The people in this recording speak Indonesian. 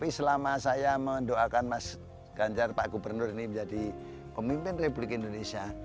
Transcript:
pada saat pertama saya mendoakan mas ganjar pak gubernur ini menjadi pemimpin republik indonesia